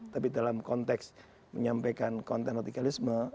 tapi dalam konteks menyampaikan konten radikalisme